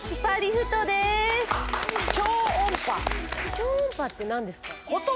超音波って何ですか？